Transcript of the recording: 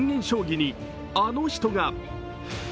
将棋にあの人が。